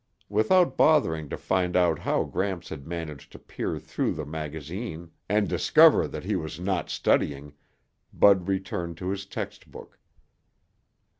Without bothering to find out how Gramps had managed to peer through the magazine and discover that he was not studying, Bud returned to his textbook.